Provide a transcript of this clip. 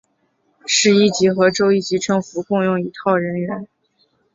市一级和州一级政府共用一套人员。